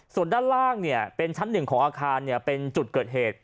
ส่วนด้านล่างเป็นชั้นหนึ่งของอาคารเป็นจุดเกิดเหตุ